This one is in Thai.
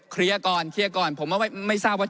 เคลียร์ก่อนเคลียร์ก่อนผมไม่ทราบว่า